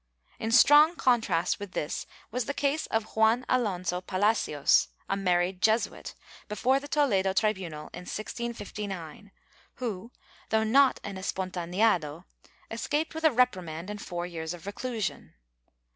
^ In strong contrast with this was the case of Juan Alonso Palacios, a married Jesuit, before the Toledo tribunal in 1659, who, though not an espontaneado, escaped with a reprimand and four years of reclusion.